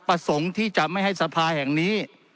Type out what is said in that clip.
ประสงค์ที่จะไม่ให้สภาแห่งนี้